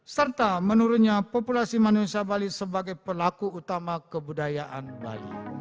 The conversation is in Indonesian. serta menurunnya populasi manusia bali sebagai pelaku utama kebudayaan bali